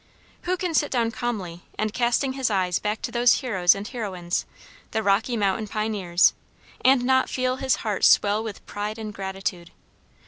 Who can sit down calmly, and, casting his eyes back to those heroes and heroines the Rocky Mountain pioneers and not feel his heart swell with pride and gratitude!